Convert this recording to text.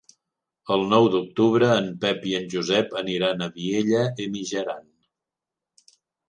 El nou d'octubre en Pep i en Josep aniran a Vielha e Mijaran.